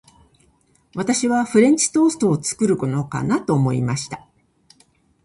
私はフレンチトーストを作るのかなと思いました。